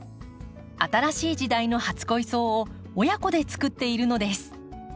新しい時代の初恋草を親子でつくっているのです。